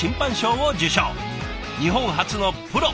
日本初のプロ。